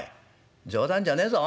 冗談じゃねえぞ。